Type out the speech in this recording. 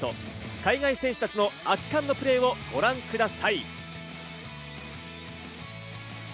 海外選手たちの圧巻のプレーをご覧ください。